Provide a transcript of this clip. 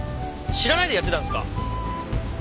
知らないでやってたんですか？